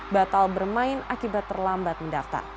batal bermain akibat terlambat mendaftar